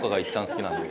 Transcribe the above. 好きなので。